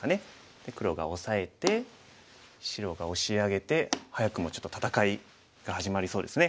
黒がオサえて白がオシ上げて早くもちょっと戦いが始まりそうですね。